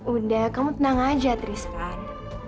udah kamu tenang aja trisan